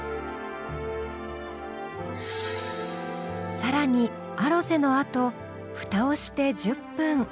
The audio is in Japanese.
更にアロゼのあとふたをして１０分。